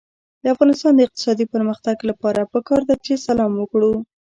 د افغانستان د اقتصادي پرمختګ لپاره پکار ده چې سلام وکړو.